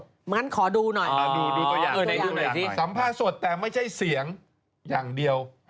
งั้นขอดูหน่อยสิสัมภาษณ์สดแต่ไม่ใช่เสียงอย่างเดียว